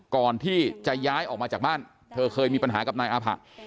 ก่อนที่จะย้ายออกมาจากบ้านเธอเคยมีปัญหากับนายอาผะ